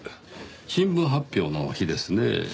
新聞発表の日ですねぇ。